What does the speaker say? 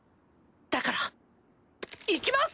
だからいきます！